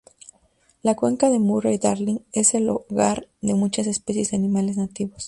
La cuenca de Murray-Darling es el hogar de muchas especies de animales nativos.